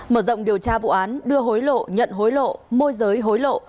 mở rộng điều tra vụ án đưa hối lộ nhận hối lộ môi giới hối lộ